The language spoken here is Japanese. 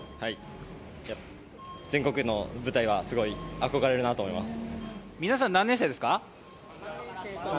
全国の舞台はすごい憧れるなと思います。